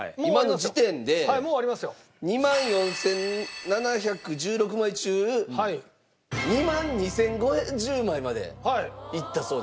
２万４７１６枚中２万２０５０枚までいったそうです。